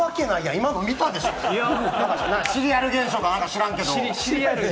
今の見たでしょ、シリアル現象か知らんけれど。